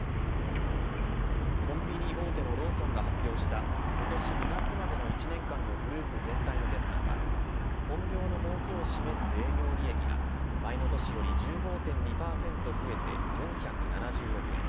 コンビニ大手のローソンが発表した今年２月までの１年間のグループ全体の決算は本業の儲けを示す営業利益が前の年より１５．２％増えて４７０億円